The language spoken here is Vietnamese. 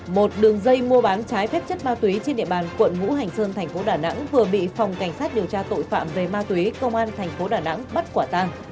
một đường dây mua bán trái phép chất ma túy trên địa bàn quận ngũ hành sơn thành phố đà nẵng vừa bị phòng cảnh sát điều tra tội phạm về ma túy công an thành phố đà nẵng bắt quả tàng